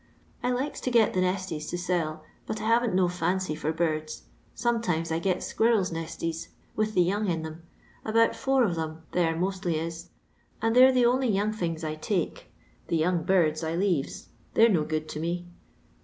I likes to get the nestics to sell, hot I havn't no fancy for birds. Sometimes I get squirrels* nestles with the young in 'em — abont four of 'em there mostly is, and they 're the only young things I take — the young birds I leaves ; they 're no good to me.